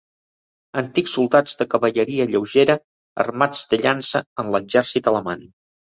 Antics soldats de cavalleria lleugera armats de llança en l'exèrcit alemany.